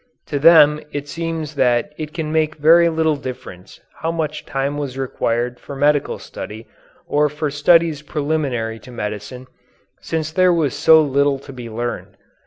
To them it seems that it can make very little difference how much time was required for medical study or for studies preliminary to medicine, since there was so little to be learned.